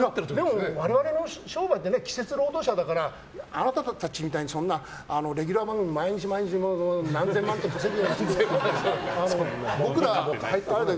でも、我々の商売って季節労働者だからあなたたちみたいにレギュラー番組で毎日毎日、何千万と稼いでないから。